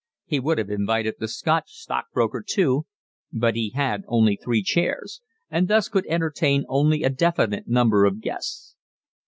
He would have invited the Scotch stockbroker too, but he had only three chairs, and thus could entertain only a definite number of guests.